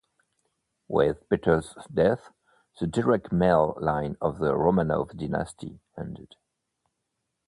With Peter's death, the direct male line of the Romanov Dynasty ended.